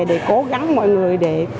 để cố gắng mọi người để